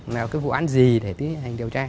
là cái vụ án gì để tiến hành điều tra